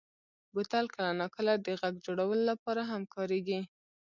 بوتل کله ناکله د غږ جوړولو لپاره هم کارېږي.